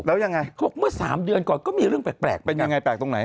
แล้วยังไงเขาบอกเมื่อ๓เดือนก่อนก็มีเรื่องแปลกเป็นยังไงแปลกตรงไหน